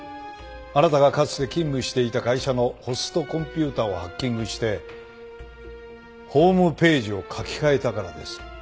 あなたがかつて勤務していた会社のホストコンピューターをハッキングしてホームページを書き換えたからです。